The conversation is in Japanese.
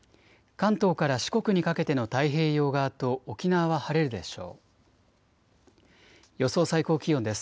関東から四国にかけての太平洋側と沖縄は晴れるでしょう。